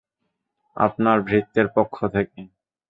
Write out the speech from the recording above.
আপনার ভৃত্যের পক্ষ থেকে।